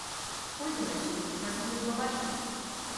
Пойдзем адсюль, нас могуць пабачыць.